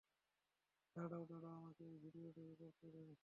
দাঁড়াও, দাঁড়াও, আমাকে এই ভিডিওটুকু করতে দাও।